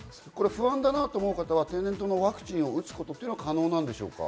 不安だと思う方は天然痘ワクチンを打つことは可能なんでしょうか？